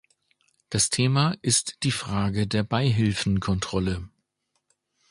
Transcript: Das Thema ist die Frage der Beihilfenkontrolle.